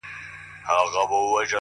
پوهه د ذهن پټې وړتیاوې راویښوي!